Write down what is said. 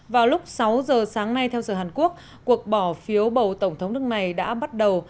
vào lúc sáu giờ sáng nay theo giờ hàn quốc cuộc bỏ phiếu bầu tổng thống nước này đã bắt đầu